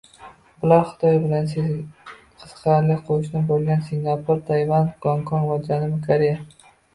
Bular Xitoy bilan qiziqarli qo'shni bo'lgan Singapur, Tayvan, Gonkong va Janubiy Koreya